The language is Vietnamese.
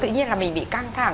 tự nhiên là mình bị căng thẳng